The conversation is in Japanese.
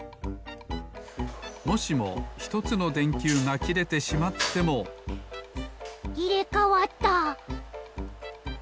もしも１つのでんきゅうがきれてしまってもいれかわった！